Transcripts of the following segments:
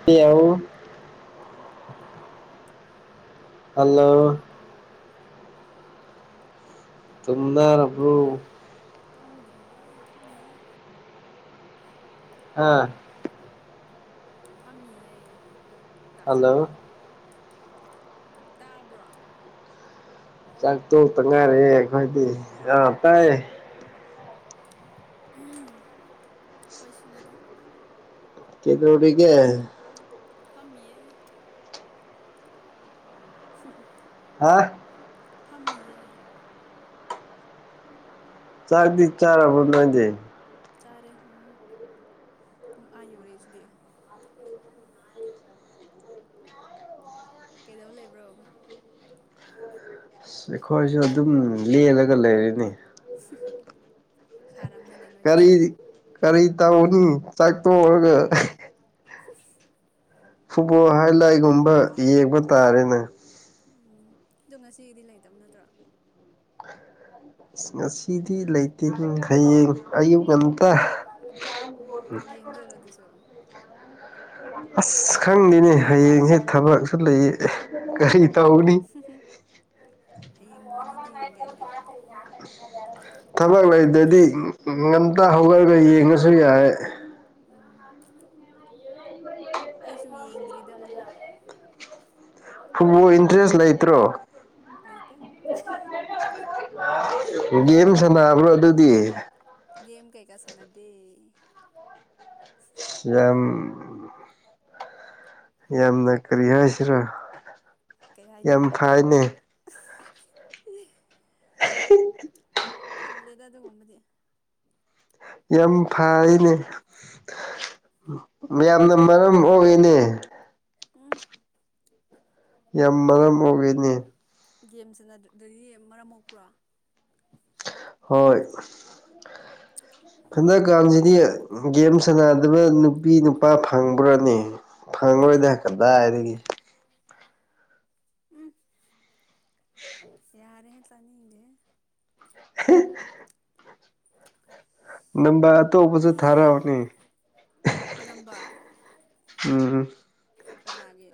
[unintelligible] Hello hello ꯑꯣ ꯇꯨꯝꯅꯔꯕ꯭ꯔꯣ ꯇꯨꯝꯗ꯭ꯔꯤꯌꯦ ꯐꯝꯃꯤꯑꯦ ꯑꯥ ꯐꯝꯃꯤꯌꯦ ꯇꯛꯂꯥꯕꯨ ꯍꯜꯂꯣ ꯇꯥꯕ꯭ꯔꯣ ꯆꯥꯛ ꯇꯣꯛꯇ ꯍꯜꯂꯣ ꯉꯥꯏꯔꯛꯑꯦ ꯑꯩꯈꯣꯏꯗꯤ ꯑꯥ ꯇꯥꯏꯌꯦ ꯑꯈꯣꯢꯁꯨꯅꯤꯗ ꯀꯩꯗꯧꯔꯤꯒꯦ ꯐꯝꯃꯤꯌꯦ [unintelligible] ꯍꯥ ꯐꯝꯃꯤꯌꯦ ꯆꯥꯛꯗꯤ ꯆꯔꯥꯕꯣ ꯅꯣꯏꯗꯤ ꯆꯥꯔꯦ ꯎꯝ ꯄꯨꯡ ꯑꯥ ꯌꯧꯔꯦꯁꯤꯗꯤ ꯀꯩꯗꯧ ꯂꯩꯕ꯭ꯔꯣ ꯑꯁ ꯑꯩꯈꯣꯏꯁꯨ ꯑꯗꯨꯝ ꯂꯦꯜꯂꯒ ꯂꯩꯔꯅꯤ ꯁꯥꯔꯝꯅꯤꯅꯦ ꯅꯣꯏꯗꯁꯨ ꯀꯔꯤ ꯀꯔꯤ ꯇꯧꯅꯤ ꯆꯥꯛꯊꯣꯛꯑꯒ ꯐꯨꯠꯕꯣꯜ ꯍꯥꯏ ꯂꯥꯏꯒꯨꯝꯕ ꯌꯦꯡꯕ ꯇꯥꯔꯦꯅꯦ ꯎꯝ ꯑꯗꯣ ꯉꯁꯤꯒꯤꯗꯤ ꯂꯩꯇꯕ ꯅꯠꯇ꯭ꯔꯣ ꯑꯁ ꯉꯁꯤꯗꯤ ꯂꯩꯇꯦ ꯍꯌꯦꯡ ꯑꯌꯨꯛ ꯉꯟꯇꯥ ꯎꯝ ꯌꯦꯡꯗꯣꯏꯔꯣ ꯑꯥꯗꯨꯁꯨ ꯑꯁ ꯈꯪꯗꯦꯅꯦ ꯍꯌꯦꯡꯁꯦ ꯊꯕꯛꯁꯨ ꯂꯩ ꯀꯔꯤ ꯇꯧꯅꯤ ꯍꯌꯦꯡ ꯃꯣꯔꯅꯤꯡꯗꯤ ꯌꯦꯡꯒꯦ ꯑꯩꯗꯤ ꯊꯕꯛ ꯉꯝꯕ꯭ꯔꯥ ꯉꯝꯗꯕ꯭ꯔꯥ ꯂꯩꯗꯗꯤ ꯉꯝꯇ ꯍꯧꯒꯠꯂꯒ ꯌꯦꯡꯉꯁꯨ ꯌꯥꯔꯦ ꯎꯝ [inaudible] ꯑꯩꯁꯨ ꯌꯦꯡꯗ꯭ꯔꯤꯗ ꯃꯐꯣ ꯐꯨꯠꯕꯣꯜ ꯏꯟꯇꯔꯦꯁ ꯂꯩꯇ꯭ꯔꯣ ꯂꯩꯇꯦ ꯒꯦꯝ ꯁꯥꯟꯅꯕ꯭ꯔꯣ ꯑꯗꯨꯗꯤ ꯒꯦꯝ ꯀꯩꯀꯥ ꯁꯥꯟꯅꯗꯦ꯫ ꯏꯁ ꯌꯥꯝ ꯌꯥꯝꯅ ꯀꯔꯤ ꯍꯥꯏꯁꯤꯔ ꯀꯩ ꯌꯥꯝ ꯍꯥꯏꯅꯤꯡꯕ ꯐꯩꯅꯦ꯫ [unintelligible] ꯇꯜꯂꯦꯗ ꯑꯗꯨꯒꯨꯝꯕꯗꯤ꯫ ꯌꯥꯝ ꯍꯩꯁꯨ ꯍꯩꯇꯦ ꯐꯩꯅꯦ ꯌꯥꯝꯅ ꯃꯔꯝ ꯃꯣꯛꯏꯅꯦ꯫ ꯎꯝ ꯌꯥꯝ ꯃꯔꯝ ꯃꯣꯛꯏꯅꯦ꯫ ꯒꯦꯝ ꯁꯥꯟꯅꯗ꯭ꯔꯗꯤ ꯃꯔꯝ ꯃꯣꯛꯄ꯭ꯔꯣ꯫ ꯍꯣꯏ꯫ ꯍꯟꯗꯛꯀꯥꯟꯁꯤꯗꯤ ꯒꯦꯝ ꯁꯥꯟꯅꯗꯕ ꯅꯨꯄꯤ ꯅꯨꯄꯥ ꯐꯪꯕ꯭ꯔꯥꯅꯦ꯫ ꯐꯪꯉꯣꯏꯗ ꯀꯩꯕ ꯀꯗꯥꯏꯗꯒꯤ꯫ ꯎꯝ ꯎ ꯌꯥꯔꯦꯍꯦ ꯇꯥꯅꯤꯡꯗꯦꯍꯦ꯫ ꯍꯦ꯫ ꯅꯝꯕꯔ ꯑꯇꯣꯞꯄꯁꯨ ꯍꯥꯏ ꯊꯥꯔꯛꯑꯣꯅꯦ꯫ ꯅꯝꯕꯔ꯫ ꯎꯝ꯫ ꯀꯅꯥꯒꯤ꯫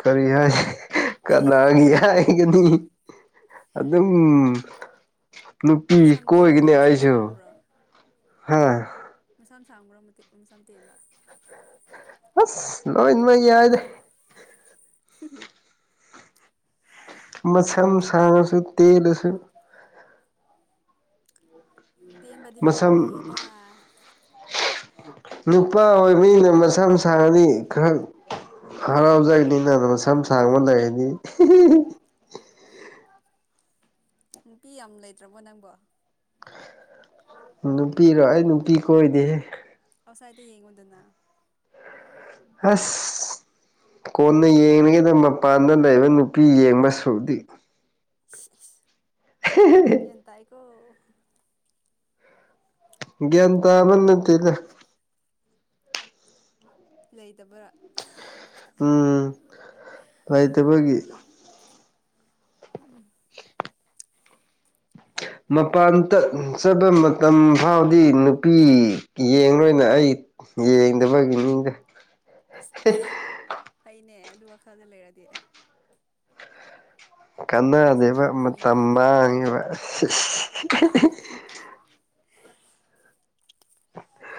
ꯀꯔꯤ ꯍꯥꯏ ꯀꯅꯥꯒꯤ ꯍꯥꯏꯒꯅꯤ꯫ ꯑꯗꯨꯝ ꯅꯨꯄꯤ ꯃꯁꯝ ꯇꯦꯟꯕ꯭ꯔꯣ ꯀꯣꯏꯒꯅꯤ ꯃꯁꯝ ꯑꯩꯁꯨ꯫ ꯁꯥꯡꯕ꯭ꯔꯣ ꯍꯥ꯫ ꯃꯁꯝ ꯁꯥꯡꯕ꯭ꯔ ꯃꯇꯦ ꯃꯁꯝ ꯇꯦꯟꯕ꯫ ꯑꯁ ꯂꯣꯏꯅꯃꯛ ꯌꯥꯏꯗ꯫ [unintelligible] ꯃꯁꯝ ꯁꯥꯡꯉꯁꯨ ꯇꯦꯜꯂꯁꯨ꯫ ꯇꯦꯟꯕꯗꯤ ꯃꯁꯝ ꯄꯥꯝꯃꯣꯏꯌꯦꯗ꯫ ꯅꯨꯄꯥ ꯑꯣꯏꯕꯅꯤꯅ ꯃꯁꯝ ꯁꯥꯉꯗꯤ ꯈꯔ ꯍꯔꯥꯎꯖꯒꯅꯤꯅ [unintelligible] ꯃꯁꯝ ꯁꯥꯡꯕ ꯑꯗꯨꯅꯦꯕ ꯂꯩꯔꯗꯤ꯫ ꯅꯨꯄꯤ ꯌꯥꯝ ꯂꯩꯇ꯭ꯔꯕꯣ ꯅꯪꯕꯣ꯫ ꯅꯨꯄꯤꯔꯣ ꯑꯩ ꯅꯨꯄꯤ ꯀꯣꯏꯗꯦꯍꯦ꯫ ꯑꯥꯎꯠꯁꯥꯥꯏꯠꯇ ꯌꯦꯡꯉꯨꯗꯅ꯫ ꯍꯁ꯫ ꯀꯣꯟꯅ ꯌꯦꯡꯂꯒꯦꯗ ꯃꯄꯥꯟꯗ ꯂꯩꯕ ꯅꯨꯄꯤ ꯌꯦꯡꯕ ꯁꯔꯨꯛꯗꯤ꯫ ꯏꯁ ꯏꯁ꯫ [unintelligible] ꯒ꯭ꯌꯥꯟ ꯇꯥꯏꯀꯣ꯫ ꯒ꯭ꯌꯥꯟ ꯇꯥꯕ ꯅꯠꯇꯦꯗ꯫ ꯂꯩꯇꯕꯔ꯫ ꯎꯝ ꯂꯩꯇꯕꯒꯤ꯫ ꯃꯄꯥꯟ ꯇ-ꯆꯠꯄ ꯃꯇꯝ ꯐꯥꯎꯗꯤ ꯅꯨꯄꯤ ꯌꯦꯡꯂꯣꯏꯅ ꯑꯩ ꯌꯦꯡꯗꯕꯒꯤꯅꯤꯗ꯫ ꯑꯁ ꯑꯁ ꯐꯩꯅꯦ ꯑꯗꯨ ꯋꯥꯈꯜꯗ ꯂꯩꯔꯗꯤ꯫ ꯅꯪꯁꯨ ꯀꯥꯟꯅꯗꯦꯕ ꯃꯔꯝ ꯃꯣꯛꯏꯅꯦ ꯃꯇꯝ ꯑꯗꯨꯗꯤ ꯃꯥꯡꯉꯦꯕ꯫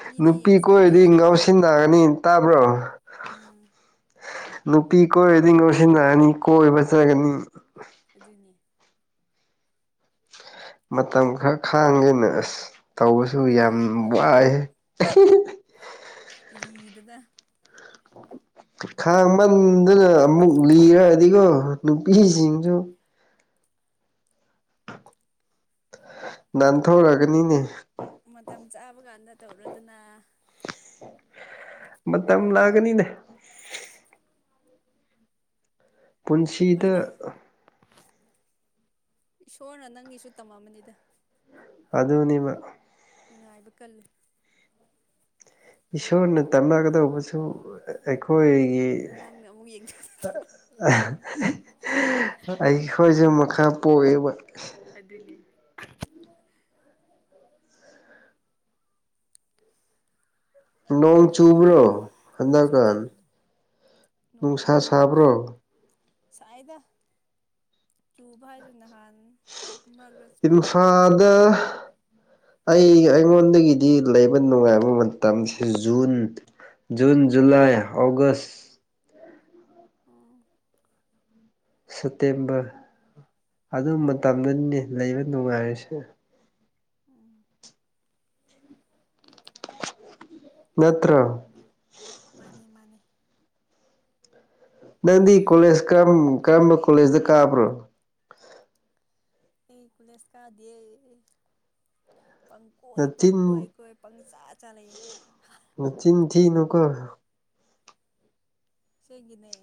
ꯃꯤꯗꯤ ꯅꯨꯄꯤ ꯑꯥꯎꯠꯁꯥꯏꯗ ꯀꯣꯏꯔꯗꯤ ꯂꯩꯔꯗꯤ ꯉꯥꯎꯁꯤꯟꯅꯒꯅꯤ ꯇꯥꯕ꯭ꯔꯣ꯫ ꯎꯝ ꯅꯨꯄꯤ ꯀꯣꯏꯔꯗꯤ ꯉꯧꯁꯤꯟꯅꯒꯅꯤ ꯀꯣꯏꯕ ꯆꯠꯀꯅꯤ꯫ ꯑꯗꯨꯅꯤ ꯃꯇꯝ ꯈꯔ ꯈꯥꯡꯒꯦꯅ ꯑꯁ ꯇꯧꯕꯁꯨ ꯌꯥꯝ ꯈꯥꯡꯕꯗ ꯋꯥꯏꯍꯦ ꯑꯃꯨꯛ ꯂꯤꯗꯅ ꯈꯥꯡꯃꯟꯗꯅ ꯑꯃꯨꯛ ꯂꯤꯔꯗꯤꯀꯣ ꯅꯨꯄꯤꯁꯤꯡꯁꯨ ꯅꯟꯊꯨꯔꯒꯅꯤꯅꯦ ꯃꯇꯝ ꯆꯥꯕ ꯀꯥꯟꯗ ꯇꯧꯔꯣꯗꯅ ꯃꯇꯝ ꯂꯥꯛꯒꯅꯤꯅꯦ ꯄꯨꯟꯁꯤꯗ ꯍꯣꯏꯗ ꯏꯁꯣꯔꯅ ꯅꯪꯒꯤꯁꯨ ꯇꯃ ꯃꯅꯤꯗ ꯑꯗꯨꯅꯤꯕ ꯉꯥꯏꯕ ꯀꯜꯂꯨ ꯏꯁꯣꯔꯅ ꯇꯝꯃꯒꯗꯧꯕꯁꯨ ꯑꯩꯈꯣꯏꯒꯤ ꯅꯪꯅ ꯑꯃꯨꯛ ꯌꯦꯡꯊꯗ꯭ꯔꯣ ꯑꯩꯈꯣꯏꯁꯨ ꯃꯈ ꯄꯣꯛꯏꯕ ꯑꯗꯨꯅꯤ ꯅꯣꯡ ꯎꯝ ꯆꯨꯕ꯭ꯔꯣ ꯆꯨꯗꯦ ꯍꯟꯗꯛꯀꯥꯟ ꯅꯣꯡ ꯅꯨꯡꯁꯥ ꯁꯥꯕ꯭ꯔꯣ ꯁꯥꯏꯗ ꯆꯨꯕ ꯍꯥꯏꯁꯦ ꯅꯍꯥꯟ ꯑꯃꯔꯛꯂ ꯆꯨꯔꯝꯅꯤ ꯑꯗꯣ ꯏꯝꯐꯥꯗ ꯑꯩ ꯑꯩꯉꯣꯟꯗꯒꯤꯗꯤ ꯂꯩꯕ ꯅꯨꯡꯉꯥꯏꯕ ꯃꯇꯝꯁꯦ June June July August um September ꯑꯗꯨ ꯎꯝ ꯃꯇꯝꯗꯅꯤꯅꯦ ꯂꯩꯕ ꯅꯨꯡꯉꯥꯏꯔꯤꯁꯦ ꯎꯝ ꯅꯠꯇ꯭ꯔꯣ ꯃꯥꯅꯦꯃꯥꯅꯦ ꯅꯪꯗꯤ ꯀꯣꯂꯦꯖ ꯀꯔꯝ ꯀꯔꯝꯕ ꯀꯣꯂꯦꯖꯇ ꯀꯥꯕ꯭ꯔꯣ ꯑꯩꯀꯣꯂꯦꯁꯀꯥꯗꯤꯌꯦ ꯄꯪ ꯀꯣꯏ ꯄꯪ ꯀꯣꯏ ꯅꯆꯤꯟ ꯀꯣꯏ ꯄꯪ ꯆꯥ ꯆꯥ ꯂꯩꯩꯌꯦ ꯅꯆꯤꯟ ꯊꯤꯅꯨꯀꯣ ꯑꯁꯦꯡꯒꯤꯅꯦ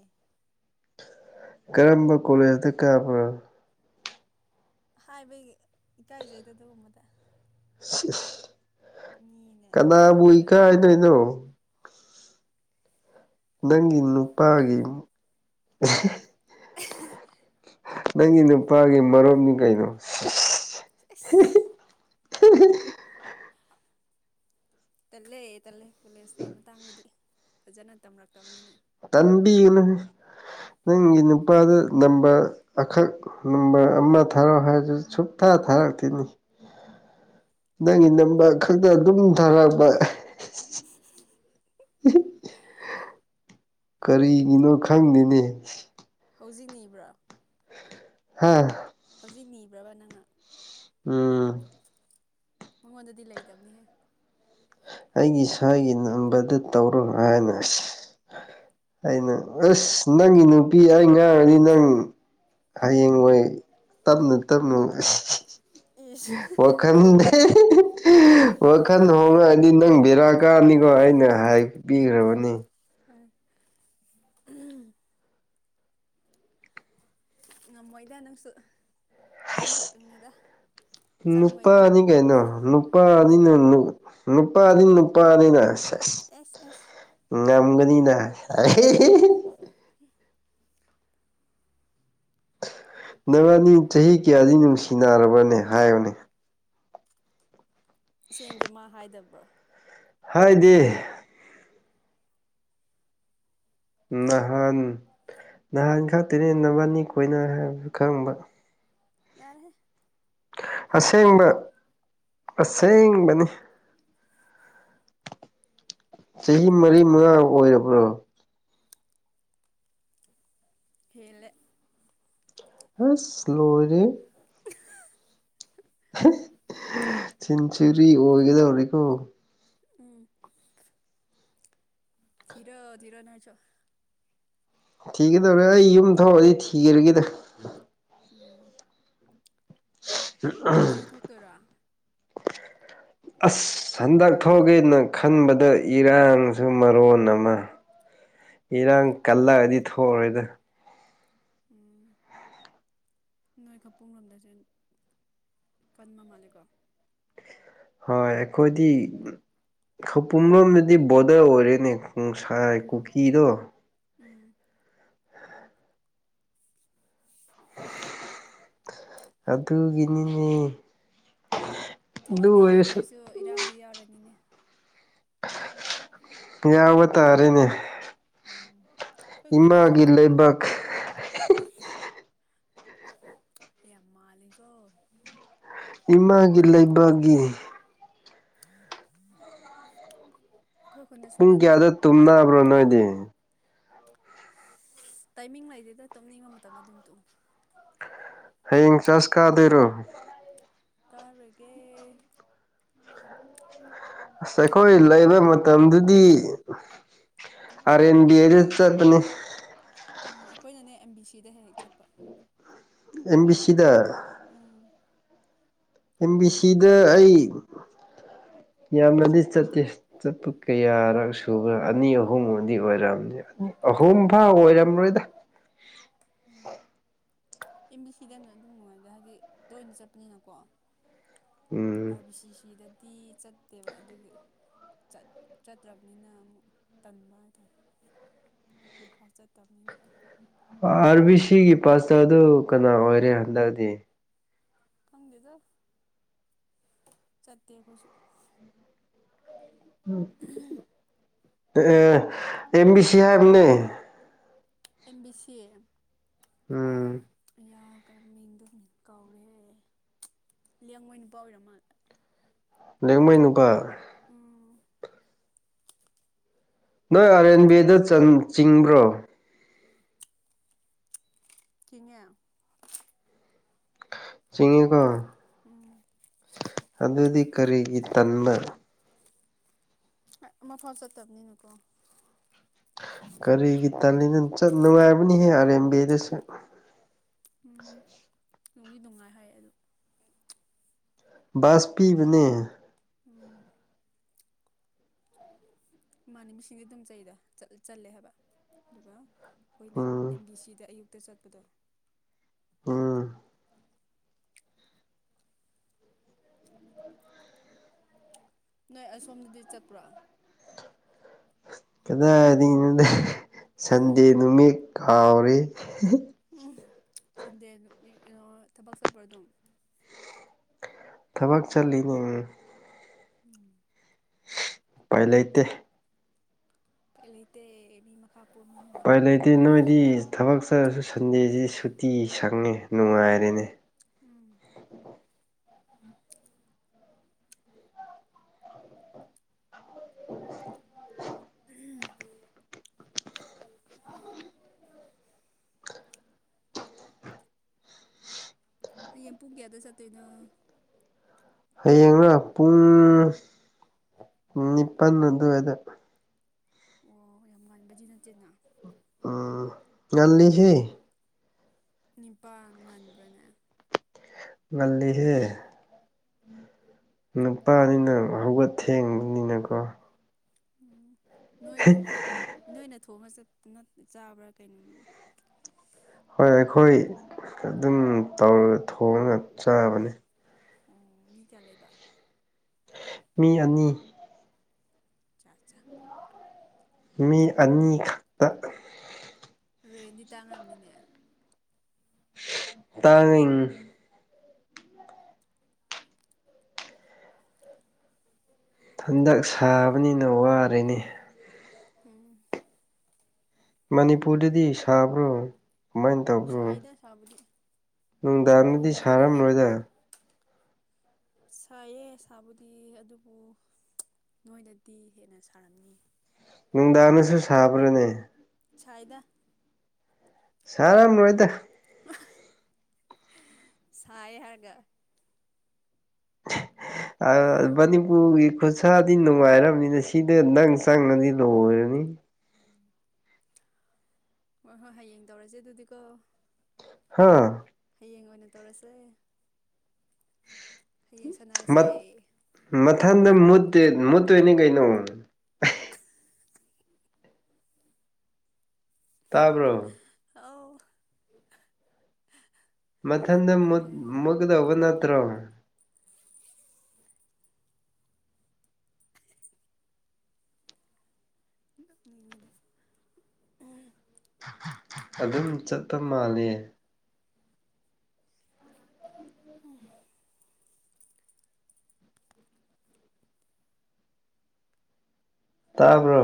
ꯀꯔꯝꯕ ꯀꯣꯂꯦꯖꯇ ꯀꯥꯕꯔ ꯍꯥꯏꯕꯩ ꯏꯀꯥꯏꯖꯩꯗ ꯑꯗꯨꯒꯨꯝꯕꯗ ꯁꯤꯁ ꯃꯤꯅ ꯀꯅꯥꯕꯨ ꯇꯥꯕꯗ ꯏꯀꯥꯏꯗꯣꯏꯅꯣ ꯅꯪꯒꯤ ꯅꯨꯄꯥꯒꯤ [unintelligible] ꯅꯪꯒꯤ ꯅꯨꯄꯥꯒꯤ ꯃꯔꯨꯞꯅꯤ ꯀꯩꯅꯣ ꯑꯁ ꯇꯜꯂꯦ ꯇꯜꯂꯦ ꯀꯣꯂꯦꯖꯀꯤ ꯃꯇꯥꯡꯗꯗꯤ ꯐꯖꯅ ꯇꯝꯔꯛꯇꯕꯅꯤꯅ ꯇꯥꯟꯕꯤꯌꯨꯅꯨ ꯅꯪꯒꯤ ꯅꯨꯄꯥꯗ ꯅꯝꯕꯔ ꯑꯈꯛ ꯅꯝꯕꯔ ꯑꯃ ꯊꯥꯔꯛꯑꯣ ꯍꯥꯏꯔꯁꯨ ꯁꯨꯡꯊꯥ ꯊꯥꯔꯛꯇꯦꯅꯦ ꯅꯪꯒꯤ ꯅꯝꯕꯔ ꯈꯛꯇ ꯑꯗꯨꯝ ꯊꯥꯔꯛꯄ ꯀꯔꯤꯒꯤꯅꯣ ꯈꯪꯗꯦꯅꯦ ꯍꯧꯖꯤꯛꯅꯤꯕ꯭ꯔꯥ ꯍꯥꯥ ꯍꯧꯖꯤꯛ ꯅꯤꯕ꯭ꯔꯕ ꯅꯪꯅ ꯎꯝ ꯃꯉꯣꯟꯗꯗꯤ ꯂꯩꯇꯝꯅꯤꯍꯦ ꯑꯩꯒꯤ ꯏꯁꯥꯒꯤ ꯅꯝꯕꯔꯗ ꯇꯧꯔꯣ ꯍꯥꯏꯅ ꯑꯩꯅ ꯑꯁ ꯅꯪꯒꯤ ꯅꯨꯄꯤ ꯑꯩ ꯉꯥꯡꯉꯗꯤ ꯅꯪ ꯍꯌꯦꯡꯋꯥꯏ ꯇꯞꯅ ꯇꯞꯅ ꯑꯁ ꯏꯁ ꯋꯥꯈꯜꯗ ꯋꯥꯈꯟ ꯍꯣꯡꯔꯥꯏꯠ ꯑꯗꯤ ꯅꯪ ꯕꯦꯔꯥ ꯀꯥꯔꯅꯤꯀꯣ ꯑꯩꯅ ꯍꯥꯏꯕꯤꯈ꯭ꯔꯕꯅꯤ [unintelligible] ꯉꯝꯃꯣꯏꯗ ꯅꯪꯁꯨ ꯆꯤꯟ ꯑꯁ ꯈꯛꯇꯪꯅꯤꯗ ꯆꯪꯉꯣꯏꯗ ꯅꯨꯄꯥꯅꯤ ꯀꯩꯅꯣ ꯅꯨꯄꯥꯅꯤꯅ ꯅꯨꯞ ꯅꯨꯄꯥꯅꯤ ꯅꯨꯄꯥꯅꯤꯅ ꯁꯦꯁ ꯑꯦꯁ ꯑꯦꯁ ꯉꯝꯒꯅꯤꯅ ꯅꯕꯅꯤ ꯆꯍꯤ ꯀꯌꯥꯗꯤ ꯅꯨꯡꯁꯤꯅꯔꯕꯅꯦ ꯍꯥꯏꯌꯨꯅꯦ ꯑꯁꯦꯡꯒꯤ ꯃꯥ ꯍꯥꯏꯗꯕ꯭ꯔꯥ ꯍꯥꯏꯗꯦ ꯅꯍꯥꯟ ꯅꯍꯥꯟ ꯈꯛꯇꯅꯤ ꯅꯥꯕꯅꯤ ꯀꯣꯏꯅꯩ ꯍꯥꯏꯕꯁꯨ ꯈꯪꯕ ꯌꯥꯔꯦꯍꯦ ꯑꯁꯦꯡꯕ ꯑꯁꯦꯡꯕꯅꯤ ꯆꯍꯤ ꯃꯔꯤ ꯃꯉꯥ ꯑꯣꯏꯔꯕ꯭ꯔꯣ ꯍꯦꯂꯦ ꯍꯁ ꯂꯣꯏꯔꯦꯍꯦ ꯁꯤꯟꯆꯨꯔꯤ ꯑꯣꯏꯒꯗꯧꯔꯤꯀꯣ ꯎꯝ ꯊꯤꯔꯣ ꯊꯤꯔꯣ ꯅꯣꯏꯁꯨ ꯊꯤꯒꯗꯧꯔꯦ ꯑꯩ ꯌꯨꯝ ꯊꯣꯛꯑꯗꯤ ꯊꯤꯔꯒꯤꯗ ꯎꯝ ꯍꯟ ꯀꯨꯝꯁꯤ ꯊꯣꯛꯇꯣꯏꯔꯣ ꯑꯁ ꯍꯟꯗꯛ ꯊꯣꯛꯒꯦꯅ ꯈꯟꯕꯗ ꯏꯔꯥꯡꯁꯤꯅ ꯃꯔꯣꯟ ꯑꯃ ꯏꯔꯥꯡ ꯀꯜꯂꯛꯑꯗꯤ ꯊꯣꯑꯔꯣꯏꯗ ꯎꯝ ꯅꯣꯏ ꯈꯄꯨꯡ ꯂꯣꯝꯗꯁꯦꯟ ꯀꯟꯕ ꯃꯥꯜꯂꯦꯀꯣ ꯍꯣꯏ ꯑꯩꯈꯣꯏꯗꯤ ꯈꯧꯄꯨ ꯂꯣꯝꯗꯗꯤ ꯕꯣꯔꯗꯔ ꯑꯣꯏꯔꯦꯅꯦ ꯄꯨꯡꯁꯥꯏ ꯎꯝ ꯀꯨꯀꯤꯗꯣ ꯎꯝ ꯑꯗꯨꯒꯤꯅꯤꯅꯦ ꯑꯗꯨ ꯊꯣꯛꯑꯗꯤ ꯑꯣꯏꯔꯁꯨ ꯅꯣꯏꯁꯨ ꯏꯔꯥꯡꯗꯨ ꯌꯥꯎꯔꯅꯤꯅꯦ ꯌꯥꯎꯕ ꯇꯥꯔꯦꯅꯦ ꯎꯝ ꯑꯩꯈꯣꯏ ꯈꯨꯟꯗꯁꯨ ꯏꯃꯥꯒꯤ ꯂꯩꯕꯥꯛ [unintelligible] ꯏꯁ ꯌꯥꯝ ꯃꯥꯜꯂꯤꯀꯣ ꯏꯃꯥꯒꯤ ꯂꯩꯕꯥꯛꯒꯤ [unintelligible] ꯑꯩꯈꯣꯏ ꯈꯨꯟꯗꯁꯨ ꯄꯨꯡ ꯀꯟꯅ ꯀꯌꯥꯗ ꯇꯨꯝꯅꯕ꯭ꯔꯣ ꯅꯣꯏꯗꯤ ꯑꯁ ꯇꯥꯏꯃꯤꯡ ꯂꯩꯗꯦꯗ ꯇꯨꯝꯅꯤꯡꯕ ꯃꯇꯝꯗ ꯑꯗꯨꯝ ꯇꯨꯝꯃꯦ ꯍꯌꯦꯡ ꯆ꯭ꯔꯁ ꯀꯥꯗꯣꯏꯔꯣ ꯀꯥꯔꯣꯏꯒꯦ ꯑꯁ ꯑꯩꯈꯣꯏ ꯂꯩꯕ ꯃꯇꯝꯗꯨꯗꯤ ꯑꯔꯦꯟꯗꯤꯌꯦꯗ ꯆꯠꯄꯅꯤ ꯎꯝ ꯑꯈꯣꯏꯅꯅꯦ ꯑꯦꯝ ꯕꯤ ꯁꯤꯗ ꯍꯦꯛ ꯍꯦꯛ ꯆꯠꯄ ꯑꯦꯝ ꯕꯤ ꯁꯤꯗ ꯎꯝ ꯑꯦꯝ ꯕꯤ ꯁꯤꯗ ꯑꯩ ꯌꯥꯝꯅꯗꯤ ꯆꯠꯇꯦ ꯆꯠꯄ ꯀꯌꯥꯔꯛ ꯁꯨꯕ꯭ꯔꯥ ꯑꯅꯤ ꯑꯍꯨꯝꯕꯨꯗꯤ ꯑꯣꯏꯔꯝꯅꯦ ꯑꯍꯨꯝ ꯐꯥ ꯑꯣꯏꯔꯝꯔꯣꯏꯗ ꯎꯝ ꯑꯦ ꯃꯤꯂꯤ ꯁꯤꯗꯅ ꯑꯗꯨꯝ ꯅꯨꯡꯉꯥꯏꯗꯥ ꯍꯥꯏꯗꯤ ꯇꯣꯏꯅ ꯆꯠꯄꯅꯤꯅꯀꯣ ꯎꯝ ꯑꯥꯔ ꯕꯤ ꯁꯤ ꯁꯤ ꯗꯗꯤ ꯆꯠꯇꯦꯕ ꯑꯗꯨꯒꯤ ꯆꯠ ꯆꯠꯇ꯭ꯔꯕꯅꯤꯅ ꯑꯃꯨꯛ ꯇꯟꯕ ꯍꯥꯏꯇꯥꯔꯦ ꯑꯝꯐꯥꯎ ꯆꯠꯇꯝꯅꯤꯅ ꯑꯥꯔ ꯕꯤ ꯁꯤꯒꯤ ꯄꯥꯁꯇ ꯗꯨ ꯀꯅꯥ ꯑꯣꯏꯔꯦ ꯍꯟꯗꯛꯗꯤ ꯈꯪꯗꯦꯗ ꯆꯠꯇꯦ ꯑꯈꯣꯏꯁꯨ ꯑꯦꯑꯦ M B C ꯍꯥꯏꯝꯅꯦ M B C ꯑꯦ [unintelligible] ꯎꯝ [unintelligible] ꯌꯥ ꯀ ꯃꯤꯡꯗꯣ ꯃꯤꯡ ꯀꯧꯔꯦ ꯂꯦꯡꯉꯣꯏ ꯅꯨꯨꯄꯥ ꯑꯣꯏꯔ ꯃꯥꯜꯂꯦ [unintelligible] ꯂꯦꯛ ꯃꯣꯏ ꯅꯨꯕ ꯎꯝ ꯅꯣꯏ ꯑꯥꯔ ꯑꯦꯟ ꯕꯦꯗ ꯆꯟ ꯆꯤꯡꯕ꯭ꯔꯣ ꯆꯤꯡꯉꯦ ꯆꯤꯡꯉꯤꯀꯣ ꯎꯝ ꯑꯗꯨꯗꯤ ꯀꯔꯤꯒꯤ ꯇꯟꯕ ꯑꯩ ꯑꯃꯐꯥꯎ ꯆꯠꯇꯕꯅꯤꯅꯀꯣ ꯀꯔꯤꯒꯤ ꯇꯥꯂꯤꯅ ꯆꯠ ꯅꯨꯡꯉꯥꯏꯕꯅꯤꯍꯦ ꯑꯥꯔ ꯑꯦꯝ ꯕꯤ ꯗꯁꯨ ꯎꯝ ꯅꯨꯡꯗꯤ ꯅꯨꯡꯉꯥꯏ ꯍꯥꯏ ꯑꯗꯣ ꯕꯁ ꯄꯤꯕꯅꯦ ꯎꯝ ꯏꯃꯥꯅꯦ ꯃꯤꯁꯤꯡꯗꯤ ꯑꯗꯨꯝ ꯆꯩꯗ ꯆꯜꯂꯦ ꯍꯥꯏꯕ ꯑꯗꯨꯒ [unintelligible] ꯈꯣꯏꯅ ꯎꯝ ꯑꯦꯝ ꯕꯤ ꯁꯤꯗ ꯑꯌꯨꯛꯇ ꯆꯠꯄꯗꯣ ꯎꯝ ꯅꯣꯏ ꯑꯁꯣꯝꯗꯗꯤ ꯆꯠꯄ꯭ꯔꯣ ꯀꯗꯥꯏꯗꯩꯅꯣ ꯁꯟꯗꯦ ꯅꯨꯃꯤꯠ ꯀꯥꯎꯔꯦ ꯎꯝ ꯁꯟꯗꯦ ꯅꯨꯃꯤꯠ [unintelligible] ꯊꯕꯛ ꯆꯠꯄ‌ꯔꯣ ꯑꯗꯨꯝ ꯊꯕꯛ ꯆꯠꯂꯤꯅꯦ [unintelligible] ꯎꯝ [unintelligible] ꯄꯥꯏ ꯂꯩꯇꯦ ꯂꯩꯇꯦ ꯃꯤ ꯃꯈꯥ ꯄꯣꯟꯅꯤꯅ ꯎꯄꯥꯏ ꯂꯩꯇꯦ ꯅꯣꯏꯗꯤ ꯊꯕꯛ ꯆꯠꯔꯁꯨ ꯁꯟꯗꯦꯖꯤꯗꯤ ꯁꯨꯇꯤ ꯁꯪꯉꯦ ꯅꯨꯡꯉꯥꯏꯔꯦꯅꯦ ꯎꯝ ꯎꯪ [unintelligible] ꯍꯌꯦꯡ ꯄꯨꯡ ꯀꯌꯥꯗ ꯆꯠꯇꯣꯏꯅꯣ ꯍꯌꯦꯡꯔꯣ ꯄꯨꯡ ꯎꯝ ꯅꯤꯄꯥꯟ ꯑꯗꯨꯋꯥꯏꯗ ꯑꯣ ꯌꯥꯝ ꯉꯟꯕꯗꯤ ꯅꯠꯇꯦꯅꯥ ꯎꯝ ꯉꯜꯂꯤꯍꯦ ꯅꯤꯄꯥꯟ ꯉꯟꯕ꯭ꯔꯅꯦ ꯉꯜꯂꯤꯍꯦ ꯅꯨꯄꯥꯅꯤꯅ ꯍꯧꯒꯠ ꯊꯦꯡꯕꯅꯤꯅꯀꯣ ꯎꯝ ꯅꯣꯏꯅ ꯅꯣꯏꯅ ꯊꯣꯡꯉ ꯆꯠ ꯅꯠ ꯆꯥꯕ꯭ꯔꯥ ꯀꯩꯅꯣ ꯍꯣꯏ ꯑꯩꯈꯣꯏ ꯑꯗꯨꯝ ꯇꯧꯔꯒ ꯊꯣꯡꯉꯒ ꯆꯥꯕꯅꯦ ꯑꯣ ꯃꯤ ꯀꯌꯥ ꯂꯩꯕ ꯃꯤ ꯑꯅꯤ ꯆꯥꯆꯥ ꯃꯤ ꯑꯅꯤꯈꯛꯇ ꯔꯦꯟꯗꯤ ꯇꯥꯡꯔꯝꯅꯤꯅꯦ ꯇꯥꯡꯉ [unintelligible] ꯍꯟꯗꯛ ꯁꯥꯕꯅꯤꯅ ꯋꯥꯔꯦꯅꯦ ꯎꯝ ꯃꯅꯤꯄꯨꯔꯗꯗꯤ ꯎꯝ ꯁꯥꯕ꯭ꯔꯣ ꯀꯃꯥꯏꯅ ꯇꯧꯕ꯭ꯔꯣ ꯁꯥꯏꯗ ꯁꯕꯨꯗꯤ ꯅꯨꯡꯗꯥꯡꯗꯗꯤ ꯁꯥꯔꯝꯂꯣꯏꯗ ꯁꯥꯏꯌꯦ ꯁꯥꯕꯨꯗꯤ ꯑꯗꯨꯕꯨ ꯅꯣꯏꯗꯤ ꯍꯦꯟꯅ ꯁꯥꯔꯝꯅꯤ ꯅꯨꯡꯗꯥꯡꯗꯁꯨ ꯁꯥꯕ꯭ꯔꯅꯦ ꯁꯥꯏꯗ ꯁꯔꯝ ꯔꯣꯏꯗ ꯁꯥꯏꯌꯦ ꯍꯥꯏꯔꯒ [unintelligible] ꯎꯒꯤ ꯈꯨꯠꯁꯥꯗꯤ ꯅꯨꯡꯉꯥꯏꯔꯝꯅꯤꯅ ꯁꯤꯗ ꯅꯪ ꯆꯪꯉꯗꯤ ꯂꯣꯏꯔꯅꯤ ꯍꯣꯏ ꯍꯣꯏ ꯍꯌꯦꯡ ꯇꯧꯔꯁꯦ ꯑꯗꯨꯗꯤꯀꯣ ꯍꯥꯥ ꯍꯩꯌꯦꯡ ꯑꯣꯏꯅ ꯇꯧꯔꯁꯦ ꯍꯩꯌꯦꯡ ꯁꯥꯟꯅꯔꯁꯦ ꯃꯊꯟꯗ ꯃꯨꯠꯇꯦ ꯃꯨꯠꯇꯣꯏꯅꯤ ꯀꯩꯅꯣ ꯇꯥꯕ꯭ꯔꯣ ꯑꯥꯎ ꯃꯊꯟꯗ ꯃꯨꯠ ꯑꯦ ꯃꯨꯠꯀꯗꯧꯕ ꯅꯠꯇ꯭ꯔꯣ ꯅꯣꯛꯅꯤꯡꯉꯦꯗ ꯑꯗꯨꯝ ꯆꯠꯄ ꯃꯥꯜꯂꯦ ꯇꯥꯕ꯭ꯔꯣ